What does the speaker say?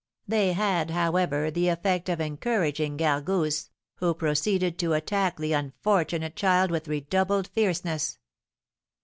They had, however, the effect of encouraging Gargousse, who proceeded to attack the unfortunate child with redoubled fierceness."